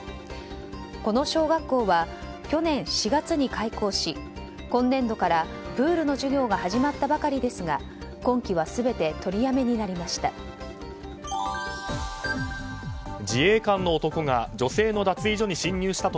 この小学校は去年４月に開校し今年度からプールの授業が始まったばかりですが今季は全て取りやめになりました。